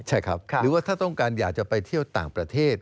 ใช่ครับหรือว่าถ้าต้องการอยากจะไปเที่ยวต่างประเทศ